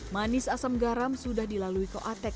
manis asam garam sudah dilalui koh apek